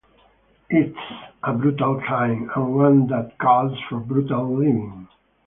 It’s a brutal clime, and one that calls for brutal living.